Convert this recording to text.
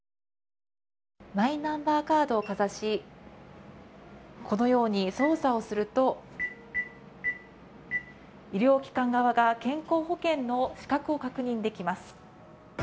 マイナンバーカードをかざしこのように操作をすると医療機関側が健康保険の資格を確認できます。